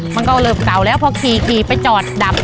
มันก็เริ่มเก่าแล้วพอขี่ไปจอดดับ